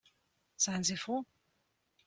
Seien Sie froh.